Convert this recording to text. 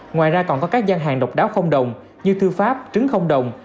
ngoài ra còn có các gian hàng độc đáo không đồng như thư pháp trứng không đồng